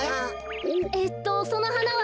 えっとそのはなは。